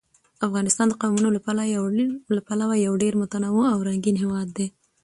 افغانستان د قومونه له پلوه یو ډېر متنوع او رنګین هېواد دی.